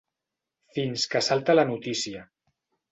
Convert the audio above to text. Fins que salta la notícia.